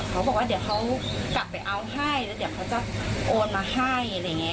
ก็เลยคุณกับเค้าบอกว่าเดี๋ยวเค้ากลับไปเอาให้แล้วเดี๋ยวเค้าจะโอนมาให้อะไรอย่างเงี้ย